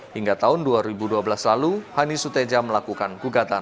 hingga tahun dua ribu dua belas lalu hani suteja melakukan gugatan